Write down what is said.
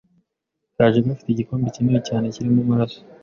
kaje gafite igikombe kinini cyane kirimo amaraso